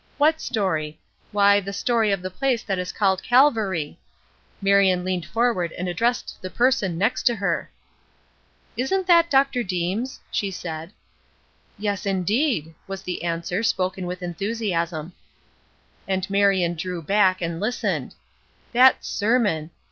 What story? Why, the story of the place that is called Calvary!" Marion leaned forward and addressed the person next to her. "Isn't that Dr. Deems?" she said. "Yes indeed!" was the answer, spoken with enthusiasm. And Marion drew back, and listened. That sermon!